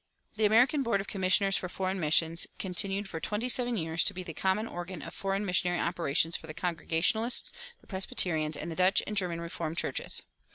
[255:1] The American Board of Commissioners for Foreign Missions continued for twenty seven years to be the common organ of foreign missionary operations for the Congregationalists, the Presbyterians, and the Dutch and German Reformed churches.